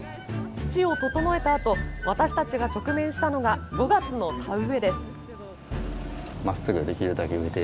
土を整えたあと私たちが直面したのが５月の田植えです。